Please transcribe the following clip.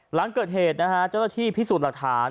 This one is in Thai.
หลังเกิดเหตุนะฮะเจ้าหน้าที่พิสูจน์หลักฐาน